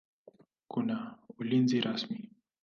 Hakuna ulinzi rasmi.